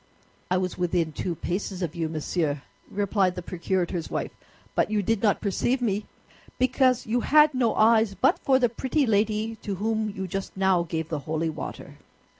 "I was within two paces of you, monsieur," replied the procurator's wife; "but you did not perceive me because you had no eyes but for the pretty lady to whom you just now gave the holy water."